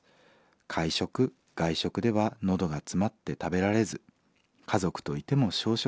会食外食では喉が詰まって食べられず家族といても小食です。